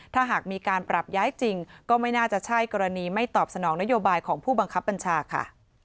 ถ้าหากมีการปรับย้ายจริงก็ไม่น่าจะใช่กรณีไม่ตอบสนองนโยบายของผู้บังคับบัญชาค่ะ